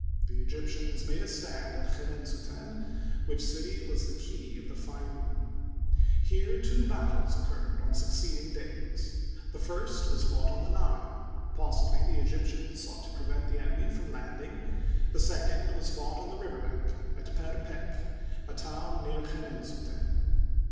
The Egyptians made a stand at Chenensuten, which city was the key of the Fayoum. Here two battles occurred on succeeding days. The first was fought on the Nile — possibly the Egyptians sought to prevent the enemy from landing — the second was fought on the river bank at Per^ pek, a town near Chenensuten.